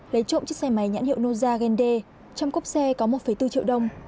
lấy trộm chiếc xe máy nhãn hiệu noza gende trong cốc xe có một bốn triệu đồng